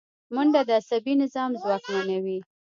منډه د عصبي نظام ځواکمنوي